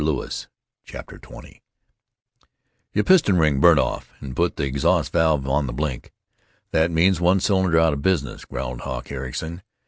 CHAPTER XX uh, piston ring burnt off and put the exhaust valve on the blink. That means one cylinder out of business," growled Hawk Ericson.